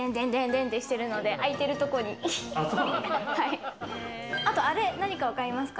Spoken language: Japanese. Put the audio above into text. でんでんでんってしてるので、空いてるところにあれ何かわかりますか？